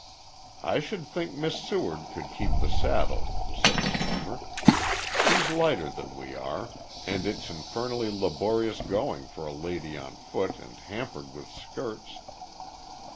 "I should think Miss Seward could keep the saddle," said the former. "She's lighter than we are, and it's infernally laborious going for a lady on foot and hampered with skirts."